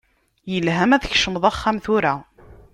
Yelha ma tkecmeḍ axxam tura.